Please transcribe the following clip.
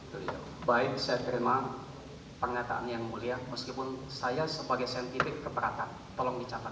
hai baik saya terima pernyataan yang mulia meskipun saya sebagai sentipe keberatan tolong dicapai